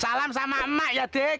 salam sama emak ya dek